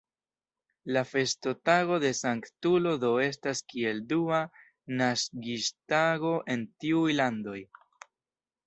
La festotago de Sanktulo do estas kiel dua naskiĝtago, en tiuj landoj.